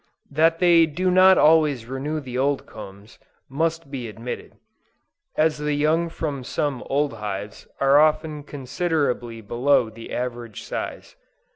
That they do not always renew the old combs, must be admitted, as the young from some old hives are often considerably below the average size.